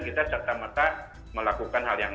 kita catat mata melakukan hal yang